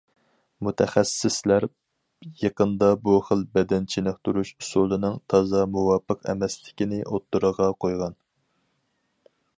مۇتەخەسسىسلەر يېقىندا بۇ خىل بەدەن چېنىقتۇرۇش ئۇسۇلىنىڭ تازا مۇۋاپىق ئەمەسلىكىنى ئوتتۇرىغا قويغان.